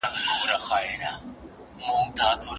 په عشق کې دومره رسميت هيڅ باخبر نه کوي